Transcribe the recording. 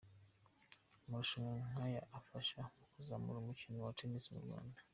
Amarushanwa nk’aya afasha mu kuzamura umukino wa Tennis mu Rwanda.